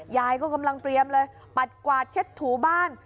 ยายก็กำลังเตรียมเลยปัดกวาดเช็ดถูบ้าน